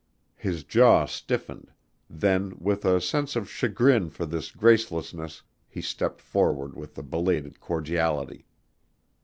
His jaw stiffened, then with a sense of chagrin for this gracelessness he stepped forward with a belated cordiality.